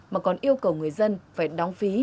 mà còn yêu cầu người dân phải đóng phí